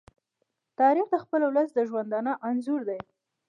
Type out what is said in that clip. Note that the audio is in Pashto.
تاریخ د خپل ولس د ژوندانه انځور دی.